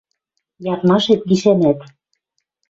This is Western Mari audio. Ядмашет гишӓнӓт